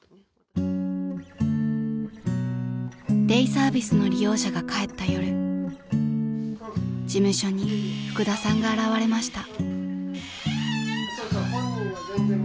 ［デイサービスの利用者が帰った夜事務所に福田さんが現れました］